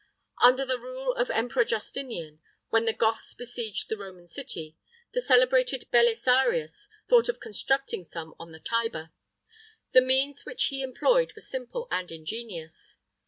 Under the rule of the Emperor Justinian, when the Goths besieged the Roman city,[III 39] the celebrated Belisarius thought of constructing some on the Tiber. The means which he employed were simple and ingenious.